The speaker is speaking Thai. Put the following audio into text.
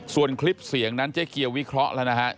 ส่วนคลิปเสียงนั้นเจ๊เกียววิเคราะห์แล้วนะครับ